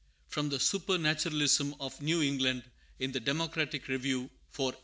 From the Supernaturalism of New England, in the Democratic Review for 1843.